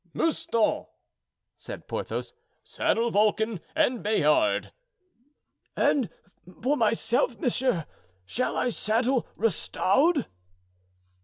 "Mouston," said Porthos, "saddle Vulcan and Bayard." "And for myself, monsieur, shall I saddle Rustaud?"